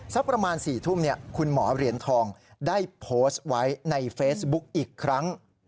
สักประมาณ๔ทุ่มคุณหมอเหรียญทองได้โพสต์ไว้ในเฟซบุ๊กอีกครั้ง